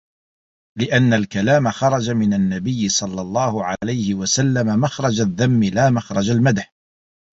لِأَنَّ الْكَلَامَ خَرَجَ مِنْ النَّبِيِّ صَلَّى اللَّهُ عَلَيْهِ وَسَلَّمَ مَخْرَجَ الذَّمِّ لَا مَخْرَجَ الْمَدْحِ